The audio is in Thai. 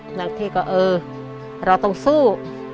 บางทีก็เออเราต้องสู้